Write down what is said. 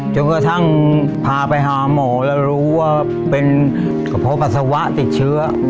จนกระทั่งพาไปหาหมอแล้วรู้ว่าเป็นกระเพาะปัสสาวะติดเชื้อ